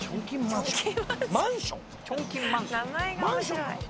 マンションなの？